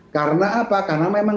karena apa karena memang